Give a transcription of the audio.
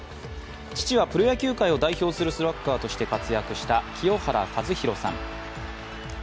父はプロ野球界を代表するスラッガーとして活躍した清原和博さん。